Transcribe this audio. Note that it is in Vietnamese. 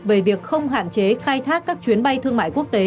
về việc không hạn chế khai thác các chuyến bay thương mại quốc tế